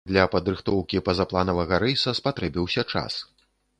Для падрыхтоўкі пазапланавага рэйса спатрэбіўся час.